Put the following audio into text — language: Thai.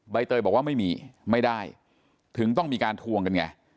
เตยบอกว่าไม่มีไม่ได้ถึงต้องมีการทวงกันไง